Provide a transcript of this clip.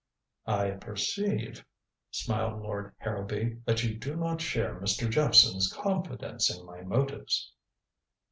"I perceive," smiled Lord Harrowby, "that you do not share Mr. Jephson's confidence in my motives."